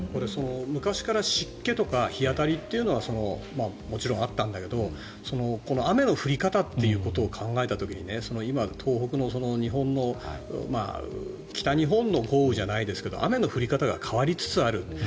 昔から湿気とか日当たりというのはもちろんあったんだけど雨の降り方を考えた時に今、東北の日本の北日本の豪雨じゃないですけど雨の降り方が変わりつつある。